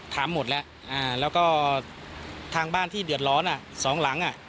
ถามหมดแล้วอ่าแล้วก็ทางบ้านที่เดือดร้อนอ่ะสองหลังอ่ะ